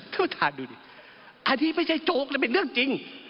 ทุกประธานดูดิอันนี้ไม่ใช่โจ๊กแต่เป็นเรื่องจริง